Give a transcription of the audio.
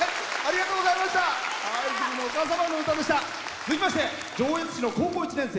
続きまして上越市の高校１年生。